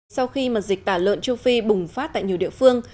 sau khi mà dịch tả lợn châu phi bùng phát tại nhiều địa phương